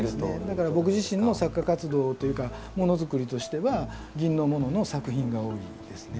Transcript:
だから僕自身の作家活動というかものづくりとしては銀のものの作品が多いですね。